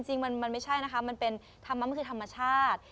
จริงมันไม่ใช่นะคะมันเป็นธรรมะมันคือธรรมชาติ